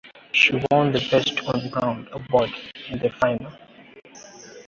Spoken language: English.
She won the "best on ground" award in the final.